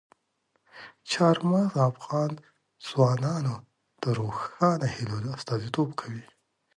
چار مغز د افغان ځوانانو د روښانه هیلو استازیتوب کوي.